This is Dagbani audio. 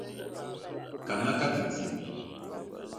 Kamina ka ti di.